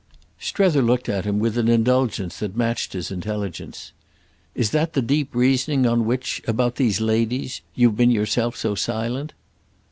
Strether looked at him with an indulgence that matched his intelligence. "Is that the deep reasoning on which—about these ladies—you've been yourself so silent?"